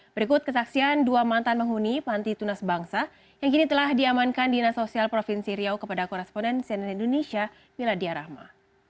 berikut kesaksian dua mantan penghuni panti tunas bangsa yang kini telah diamankan dinas sosial provinsi riau kepada koresponden cnn indonesia miladia rahma